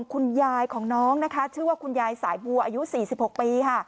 คุณยายของน้องนะคะชื่อว่าคุณยายสายบัวอายุ๔๖ปีค่ะ